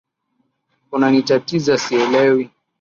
Unanitatiza sielewi